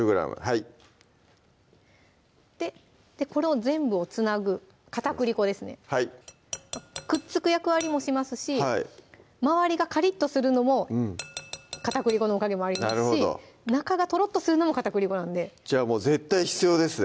はいこれを全部をつなぐ片栗粉ですねはいくっつく役割もしますし周りがカリッとするのも片栗粉のおかげもありますし中がトロッとするのも片栗粉なんでじゃあもう絶対必要ですね